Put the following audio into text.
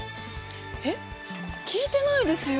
えっ聞いてないですよ。